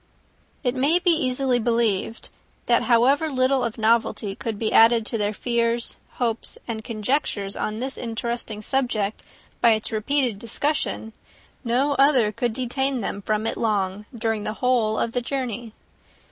It may be easily believed, that however little of novelty could be added to their fears, hopes, and conjectures, on this interesting subject by its repeated discussion, no other could detain them from it long, during the whole of the journey.